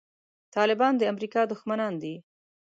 طالبان د امریکا دښمنان نه دي.